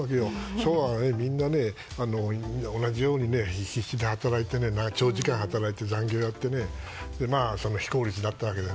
昭和は、みんな同じようにね必死で働いて、長時間働いて残業やって非効率だったわけで。